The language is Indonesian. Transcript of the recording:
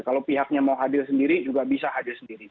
kalau pihaknya mau hadir sendiri juga bisa hadir sendiri